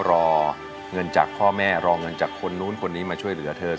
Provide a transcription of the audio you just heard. รอเงินจากพ่อแม่รอเงินจากคนนู้นคนนี้มาช่วยเหลือเธอ